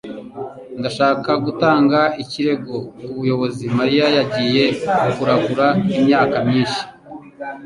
Ndashaka gutanga ikirego kubuyobozi. Mariya yagiye kuragura imyaka myinshi.